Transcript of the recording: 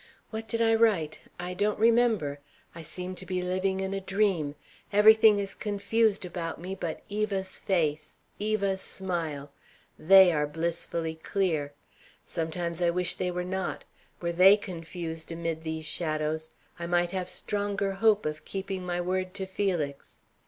What did I write? I don't remember. I seem to be living in a dream. Everything is confused about me but Eva's face, Eva's smile. They are blissfully clear. Sometimes I wish they were not. Were they confused amid these shadows, I might have stronger hope of keeping my word to Felix.